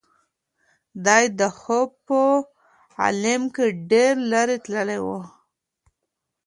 دی د خوب په عالم کې ډېر لرې تللی و.